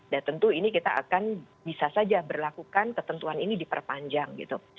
dan tentu ini kita akan bisa saja berlakukan ketentuan ini diperpanjang gitu